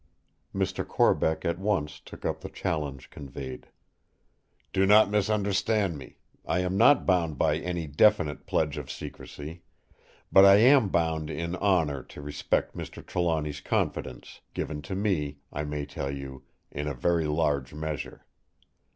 Mr. Corbeck at once took up the challenge conveyed: "Do not misunderstand me! I am not bound by any definite pledge of secrecy; but I am bound in honour to respect Mr. Trelawny's confidence, given to me, I may tell you, in a very large measure.